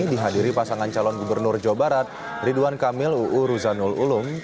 dihadiri pasangan calon gubernur jawa barat ridwan kamil uu ruzanul ulum